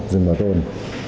rừng bảo tồn